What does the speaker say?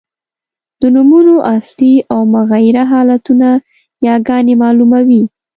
د نومونو اصلي او مغیره حالتونه یاګاني مالوموي.